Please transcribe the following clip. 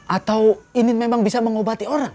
atau ini memang bisa mengobati orang